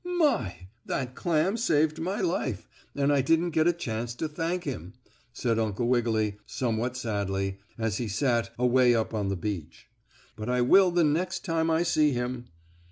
"My! That clam saved my life, and I didn't get a chance to thank him!" said Uncle Wiggily, somewhat sadly, as he sat away up on the beach. "But I will the next time I see him."